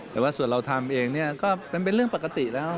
แต่ว่าส่วนเราทำเองเนี่ยก็เป็นเรื่องปกติแล้ว